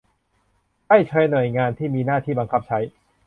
ได้เชิญหน่วยงานที่มีหน้าที่บังคับใช้